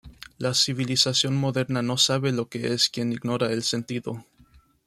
La civilización moderna no sabe lo que es quien ignora el sentido.